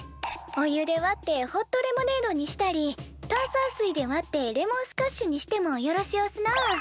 お湯で割ってホットレモネードにしたり炭酸水で割ってレモンスカッシュにしてもよろしおすなあ。